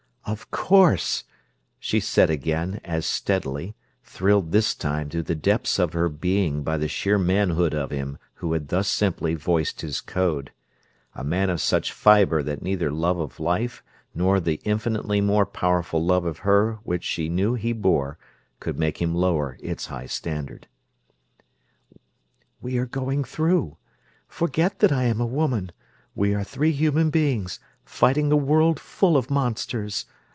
"Of course," she said again, as steadily, thrilled this time to the depths of her being by the sheer manhood of him who had thus simply voiced his Code; a man of such fiber that neither love of life, nor the infinitely more powerful love of her which she knew he bore, could make him lower its high standard. "We are going through. Forget that I am a woman. We are three human beings, fighting a world full of monsters.